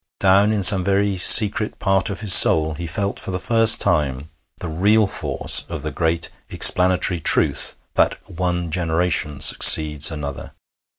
Down in some very secret part of his soul he felt for the first time the real force of the great explanatory truth that one generation succeeds another.